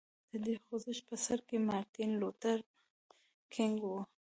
د دې خوځښت په سر کې مارټین لوټر کینګ و.